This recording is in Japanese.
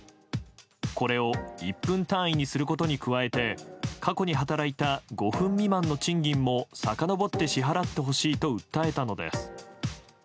これを１分単位にすることに加えて過去に働いた５分未満の賃金もさかのぼって支払ってほしいと訴えたのです。